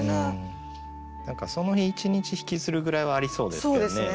その日一日引きずるぐらいはありそうですけどね。